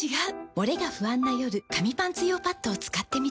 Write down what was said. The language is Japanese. モレが不安な夜紙パンツ用パッドを使ってみた。